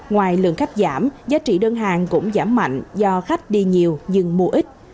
ngoài lượng khách giảm giá trị đơn hàng cũng giảm mạnh do khách đi nhiều nhưng mua ít